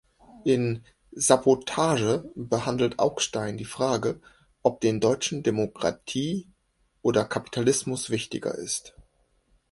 In "Sabotage" behandelt Augstein die Frage, ob den Deutschen Demokratie oder Kapitalismus wichtiger ist.